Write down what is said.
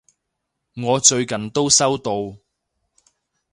我最近都收到！